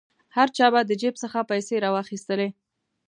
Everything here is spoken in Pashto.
هر چا به د جیب څخه پیسې را واخیستلې.